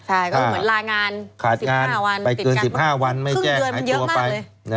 ค่ะก็เหมือนรายงาน๑๕วันไปเกิน๑๕วันไม่แจ้งหายตัวไป